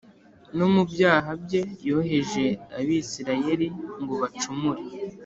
no mu byaha bye yoheje Abisirayeli ngo bacumure